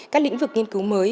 các lĩnh vực nghiên cứu mới